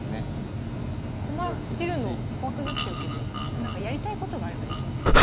駒捨てるの怖くなっちゃうけどやりたいことがあればできますね。